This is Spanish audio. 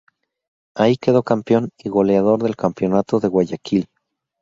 Ahí quedó campeón y goleador del campeonato de Guayaquil.